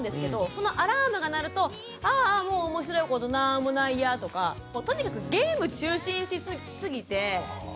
そのアラームが鳴ると「あもう面白いことなんもないや」とかもうとにかくゲーム中心すぎて困ってるんですよ。